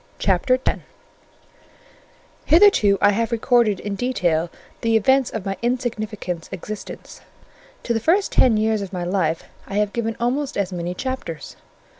CHAPTER X Hitherto I have recorded in detail the events of my insignificant existence: to the first ten years of my life I have given almost as many chapters.